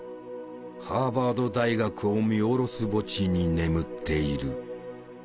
ハーバード大学を見下ろす墓地に眠っている。